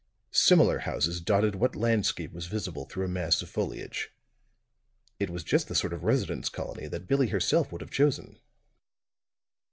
Similar houses dotted what landscape was visible through a mass of foliage. It was just the sort of residence colony that Billie herself would have chosen.